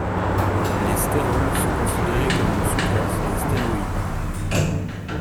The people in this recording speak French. Les stérols sont considérés comme une sous-classe des stéroïdes.